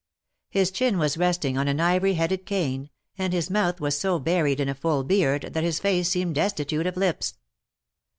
His chin was resting on an ivory headed cane, and his mouth was so buried in a full beard that his face seemed destitute of lips.